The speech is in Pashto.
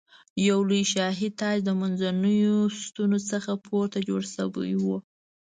یو لوی شاهي تاج د منځنیو ستنو څخه پورته جوړ شوی و.